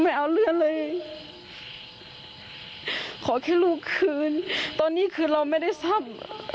ไม่เอาเสื้อที่ลูกคืนตอนนี้คือเราไม่ได้ทรัพย์